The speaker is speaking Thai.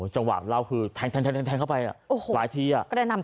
จังหวะเล่าคือแทงเข้าไปหลายทีอ่ะ